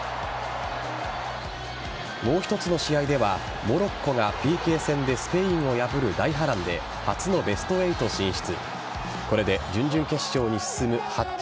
もう一つの試合ではモロッコがＰＫ戦でスペインを破る大波乱で初のベスト８進出。